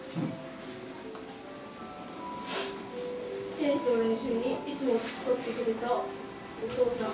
テニスの練習にいつも付き添ってくれたお父さん。